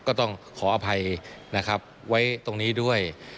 ก็ต้องขออภัยนะครับไว้ตรงนี้ด้วย